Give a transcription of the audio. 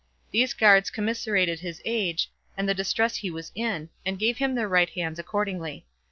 These guards commiserated his age, and the distress he was in, and gave him their right hands accordingly.